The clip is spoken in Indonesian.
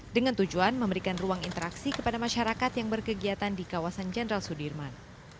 dengan tujuan memberikan ruang interaksi kepada masyarakat yang berkegiatan di kawasan jenderal sudirman